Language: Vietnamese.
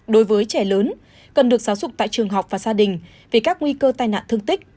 đối với trẻ lớn cần được giáo dục tại trường học và gia đình về các nguy cơ tai nạn thương tích